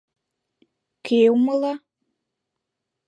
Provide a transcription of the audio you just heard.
Кӧ умыла?